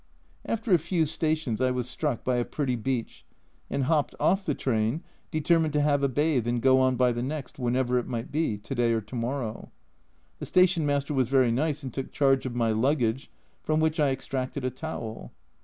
After a few stations, I was struck by a pretty beach, and hopped off the train, determined to have a bathe and go on by the next, whenever it might be, to day or to morrow. The station master was very nice, and took charge of my luggage, from which I extracted a towel.